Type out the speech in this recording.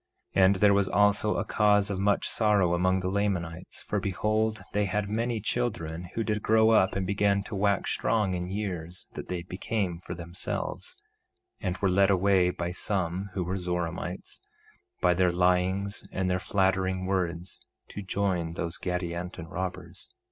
1:29 And there was also a cause of much sorrow among the Lamanites; for behold, they had many children who did grow up and began to wax strong in years, that they became for themselves, and were led away by some who were Zoramites, by their lyings and their flattering words, to join those Gadianton robbers.